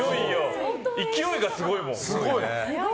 勢いがすごいもん。